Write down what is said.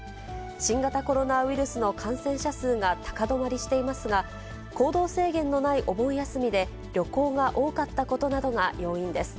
新型コロナウイルスの感染者数が高止まりしていますが、行動制限のないお盆休みで旅行が多かったことなどが要因です。